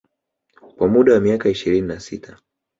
Kwa muda wa miaka ishirini na sita